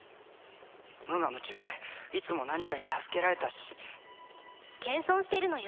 無我夢中でいつも何かに助けられたし謙遜してるのよ